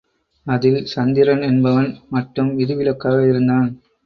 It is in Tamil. அதில் சந்திரன் என்பவன் மட்டும் விதிவிலக்காக இருந்தான்.